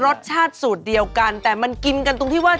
รสชาติสูตรเดียวกันแต่มันกินกันตรงที่ว่า